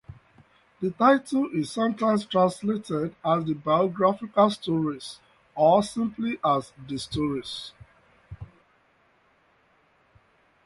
The title is sometimes translated as the "Biographical Stories", or simply as "The Stories".